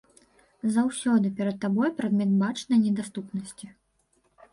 Заўсёды перад табой прадмет бачнай недаступнасці!